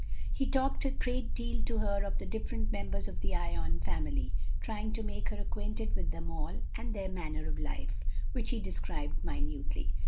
He talked a great deal to her of the different members of the Ion family, trying to make her acquainted with them all and their manner of life, which he described minutely.